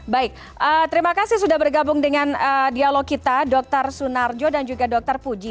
baik terima kasih sudah bergabung dengan dialog kita dr sunarjo dan juga dr puji